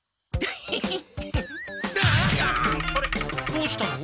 どうしたの？